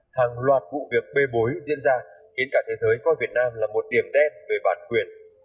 hàng loạt vụ việc bê bối diễn ra khiến cả thế giới coi việt nam là một điểm đen về bản quyền